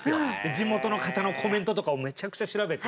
地元の方のコメントとかをめちゃくちゃ調べて。